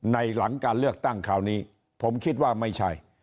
หลังการเลือกตั้งคราวนี้ผมคิดว่าไม่ใช่